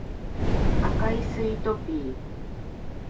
赤いスイートピー